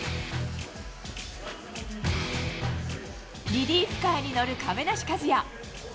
リリーフカーに乗る亀梨和也。